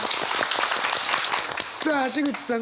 さあ橋口さん